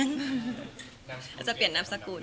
อาจจะเปลี่ยนนามสกุล